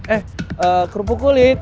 eh kerupuk kulit